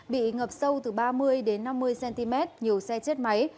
bị ngập sâu từ ba mươi năm mươi cm nhiều xe chết máy